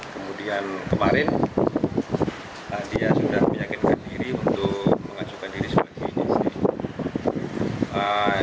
kemarin dia sudah meyakinkan diri untuk mengacukan diri seperti ini sih